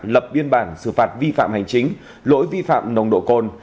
lập biên bản xử phạt vi phạm hành chính lỗi vi phạm nồng độ cồn